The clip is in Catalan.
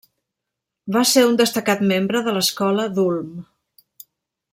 Va ser un destacat membre de l'escola d'Ulm.